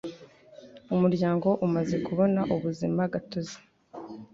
Umuryango umaze kubona ubuzima gatozi